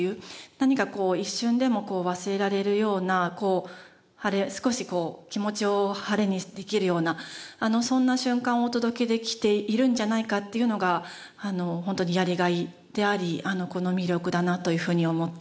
何か一瞬でも忘れられるような少し気持ちを晴れにできるようなそんな瞬間をお届けできているんじゃないかっていうのが本当にやりがいであり魅力だなというふうに思っております。